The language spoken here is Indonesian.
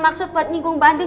maksud buat bingung mbak andien